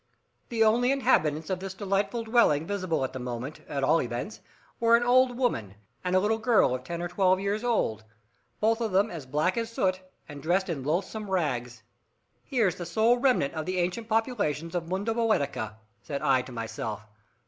The only inhabitants of this delightful dwelling visible at the moment, at all events, were an old woman, and a little girl of ten or twelve years old, both of them as black as soot, and dressed in loathsome rags. "Here's the sole remnant of the ancient populations of Munda Boetica," said I to myself.